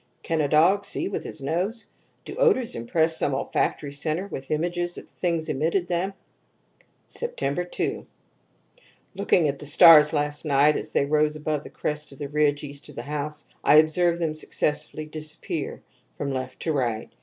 "Can a dog see with his nose? Do odors impress some olfactory centre with images of the thing emitting them? ... "Sept 2. Looking at the stars last night as they rose above the crest of the ridge east of the house, I observed them successively disappear from left to right.